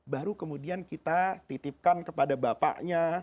baru kemudian kita titipkan kepada bapaknya